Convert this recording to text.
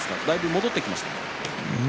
戻ってきましたか？